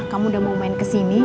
kamu udah mau main kesini